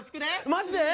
マジで？